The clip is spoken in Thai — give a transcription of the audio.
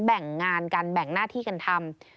แบ่งงานกันแบ่งหน้าที่กันทำ